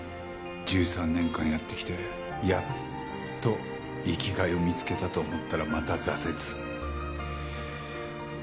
１３年間やってきてやっと生きがいを見つけたと思ったらまた挫折。